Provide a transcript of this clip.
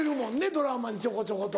ドラマにちょこちょこと。